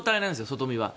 外見は。